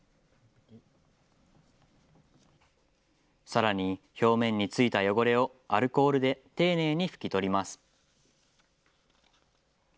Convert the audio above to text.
さらに表面についた汚れをアルコールで丁寧に拭き取ります。